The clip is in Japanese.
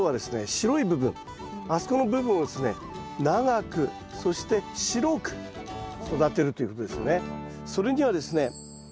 白い部分あそこの部分をですね長くそして白く育てるということですね。